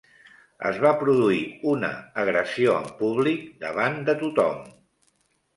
Es va produir una agressió en públic davant de tothom.